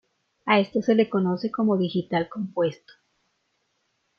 A esto se le conoce como digital compuesto.